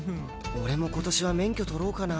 俺も今年は免許取ろうかな。